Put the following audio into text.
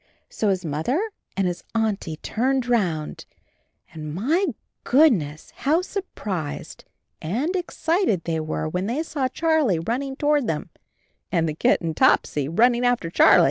So his Mother and his Auntie turned 48 CHARLIE round, and, my goodness !— how surprised and excited they were when they saw Charlie running toward them and the kitten Topsy running after Charlie.